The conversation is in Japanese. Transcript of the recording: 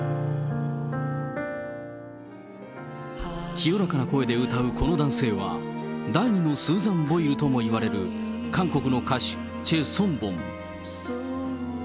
清らかな声で歌うこの男性は、第二のスーザン・ボイルともいわれる韓国の歌手、チェ・ソンボン。